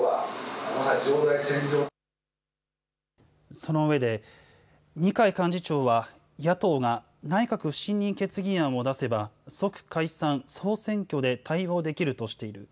その上で二階幹事長は野党が内閣不信任決議案を出せば即解散・総選挙で対応できるとしている。